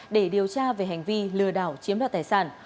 để điều tra về hành vi lừa đảo chiếm đoạt tài sản